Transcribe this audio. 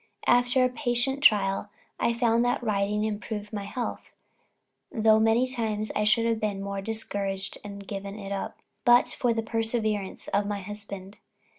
After a patient trial, I found that riding improved my health; though many times I should have become discouraged and given it up, but for the perseverance of my husband.